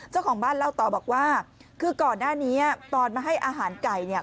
เจ้าของบ้านเล่าต่อบอกว่าคือก่อนหน้านี้ตอนมาให้อาหารไก่เนี่ย